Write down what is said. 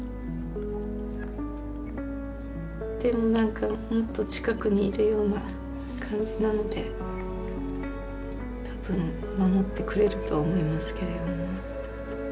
でも何か本当近くにいるような感じなので多分守ってくれると思いますけれども。